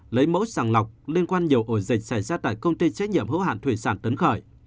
lấy mẫu sàng lọc liên quan nhiều ổ dịch xảy ra tại công ty trách nhiệm hữu hạn thủy sản tấn khởi